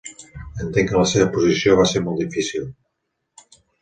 Entenc que la seva posició va ser molt difícil.